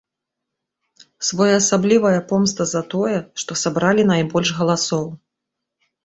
Своеасаблівая помста за тое, што сабралі найбольш галасоў.